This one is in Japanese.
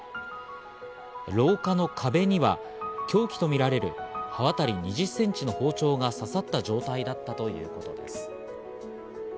廊下の壁には、凶器とみられる刃渡り２０ｃｍの包丁が刺さった状態だったということです。